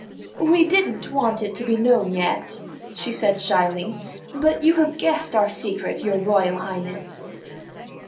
"We didn't want it to be known yet," she said shyly, "but you have guessed our secret, your Royal Highness."